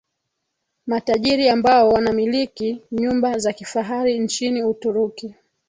matajiri ambao wanamiliki nyumba za kifahari nchini Uturuki